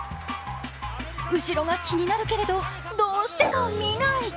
後ろが気になるけれど、どうしても見ない。